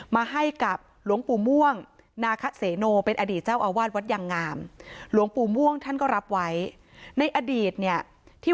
มาให้กับหลวงปู่ม่วงนาคเสโนเป็นอดีตเจ้าอาวาสวัดยางงามหลวงปู่ม่วงท่านก็รับไว้ในอดีตเนี่ยที่